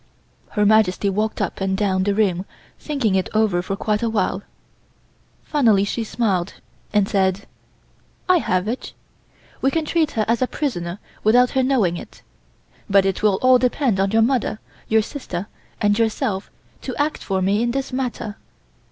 Her Majesty walked up and down the room thinking it over for quite a while. Finally she smiled and said: "I have it. We can treat her as a prisoner without her knowing it, but it will all depend on your mother, your sister and yourself to act for me in this matter.